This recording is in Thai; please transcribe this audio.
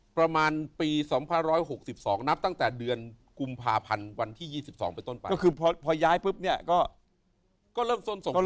ประมาณปี๒๖๒นับตั้งแต่เดือนกรุงภาพันธุ์วันที่๒๒ไปต้นไป